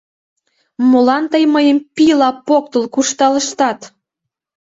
Молан тый мыйым пийла поктыл куржталыштат!